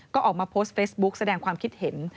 ก็ออกมาโพสต์เฟซบุ๊กแสดงความคิดเห็น